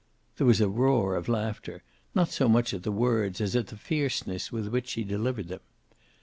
There was a roar of laughter, not so much at the words as at the fierceness with which she delivered them.